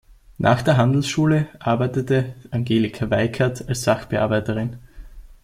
Nach der Handelsschule arbeitete Angelika Weikert als Sachbearbeiterin.